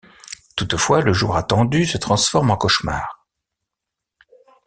Toutefois, le jour attendu se transforme en cauchemar.